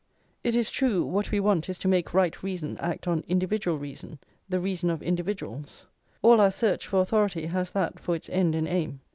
It is true, what we want is to make right reason act on individual reason, the reason of individuals; all our search for authority has that for its end and aim.